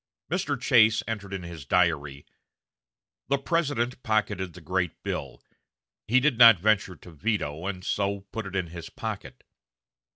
Mr. Chase entered in his diary: "The President pocketed the great bill.... He did not venture to veto, and so put it in his pocket.